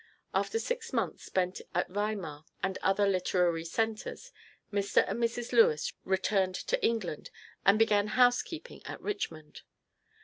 After six months spent at Weimar and other literary centers, Mr. and Mrs. Lewes returned to England and began housekeeping at Richmond.